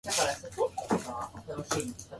機械工と電電女の子いなさすぎだろ